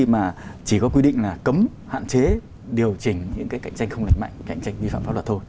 mà chỉ có quy định là cấm hạn chế điều chỉnh những cái cạnh tranh không lành mạnh cạnh tranh vi phạm pháp luật thôi